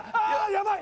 やばい！